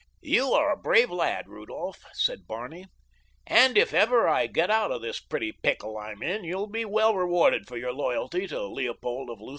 "You are a brave lad, Rudolph," said Barney, "and if ever I get out of the pretty pickle I'm in you'll be well rewarded for your loyalty to Leopold of Lutha.